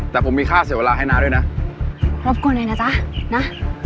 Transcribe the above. แต่ผมมีค่าเสียเวลาให้น้าด้วยนะรบกวนเลยนะจ๊ะนะ